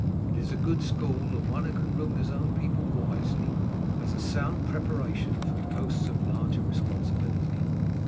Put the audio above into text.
It is a good school, and one who can rule his own people wisely has a sound preparation for posts of larger responsibility.